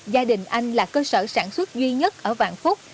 gia đình anh là cơ sở sản xuất duy nhất ở vạn phúc